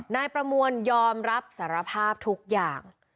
นายประมวลยอมรับสารภาพทุกอย่าง